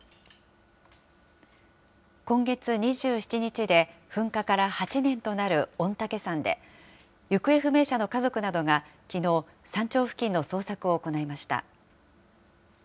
今月２７日で噴火から８年となる御嶽山で、行方不明者の家族などがきのう、山頂付近の捜索を行いました。